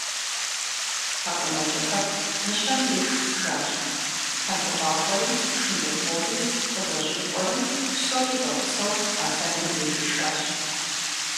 ТхьэкӀумэкӀыхьыр Мыщэм деж жащ, хьэндыркъуакъуэри, шындырхъуори къызэщӀикъуэри, псори зэгъусэу, Аслъэным деж ишащ.